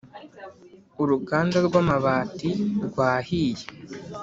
Uruganda rwamabati rwahiye